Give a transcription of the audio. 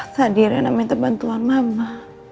tadi rena minta bantuan mama